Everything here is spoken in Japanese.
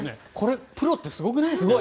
プロってすごくないですか？